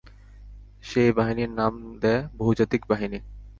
সে এ বাহিনীর নাম দেয় বহুজাতিক বাহিনী।